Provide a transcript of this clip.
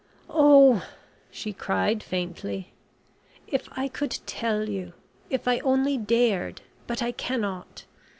"Oh," she cried, faintly, "if I could tell you if I only dared; but I cannot!